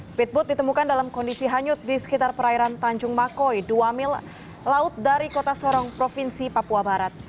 speedboat ditemukan dalam kondisi hanyut di sekitar perairan tanjung makoi dua mil laut dari kota sorong provinsi papua barat